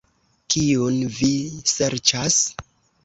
Kiun vi serĉas?